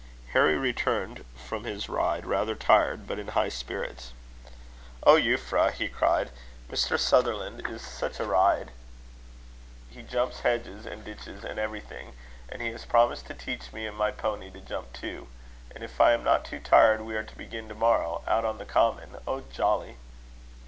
Harry returned from his ride rather tired, but in high spirits. "Oh, Euphra!" he cried, "Mr. Sutherland is such a rider! He jumps hedges and ditches and everything. And he has promised to teach me and my pony to jump too. And if I am not too tired, we are to begin to morrow, out on the common. Oh! jolly!"